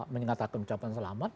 mengatakan ucapan selamat